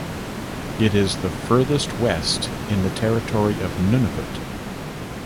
It is the furthest west in the territory of Nunavut.